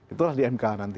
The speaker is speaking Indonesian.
itulah di mk nanti